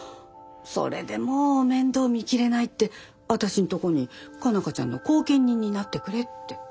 それでもう面倒見切れないって私んとこに佳奈花ちゃんの後見人になってくれって。